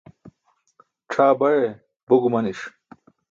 C̣ʰaa baye bo gumaniṣ